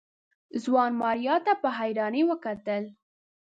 ځوان ماريا ته په حيرانۍ وکتل.